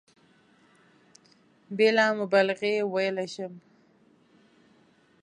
بېله مبالغې ویلای شم.